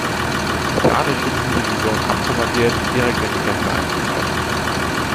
Gardeschützen-Division abkommandiert, direkt in die Kämpfe einzugreifen.